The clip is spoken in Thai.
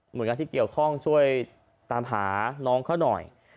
โดยงานที่เกี่ยวข้องช่วยตามหาน้องเขาหน่อย